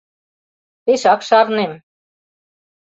— Пешак шарнем...